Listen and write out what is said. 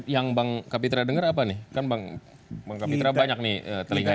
yang bang kapitra dengar apa nih kan bang kapitra banyak nih telinganya